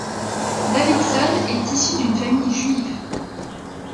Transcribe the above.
Davidson est issu d'une famille juive.